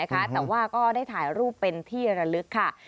แต่ว่าก็ได้ถ่ายรูปเป็นที่ระลึกค่ะ